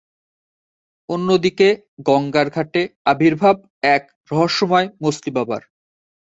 অন্যদিকে গঙ্গার ঘাটে আবির্ভাব এক রহস্যময় মছলিবাবার।